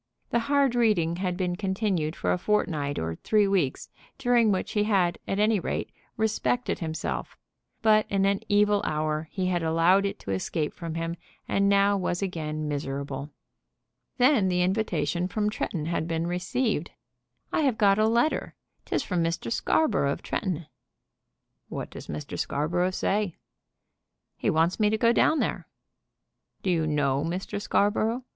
The hard reading had been continued for a fortnight or three weeks, during which he had, at any rate, respected himself, but in an evil hour he had allowed it to escape from him, and now was again miserable. Then the invitation from Tretton had been received. "I have got a letter; 'tis from Mr. Scarborough of Tretton." "What does Mr. Scarborough say?" "He wants me to go down there." "Do you know Mr. Scarborough?